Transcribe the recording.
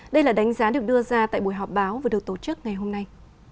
đã đánh giá được đưa ra tại buổi họp báo vừa được tổ chức ngày hôm nay